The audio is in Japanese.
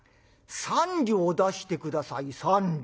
３両出して下さい３両。